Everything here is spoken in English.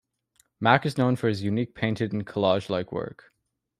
Mack is known for his unique painted and collage-like work.